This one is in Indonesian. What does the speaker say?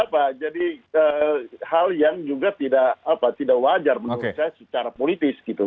apa jadi hal yang juga tidak wajar menurut saya secara politis gitu